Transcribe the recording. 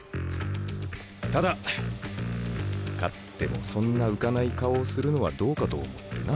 ただ勝ってもそんな浮かない顔をするのはどうかと思ってな。